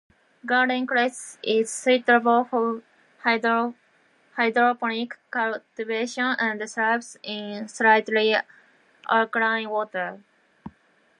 Garden cress is suitable for hydroponic cultivation and thrives in slightly alkaline water.